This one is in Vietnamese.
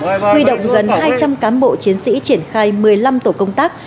huy động gần hai trăm linh cán bộ chiến sĩ triển khai một mươi năm tổ công tác